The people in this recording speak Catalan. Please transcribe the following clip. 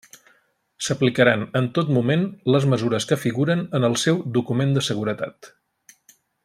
S'aplicaran en tot moment les mesures que figuren en el seu Document de seguretat.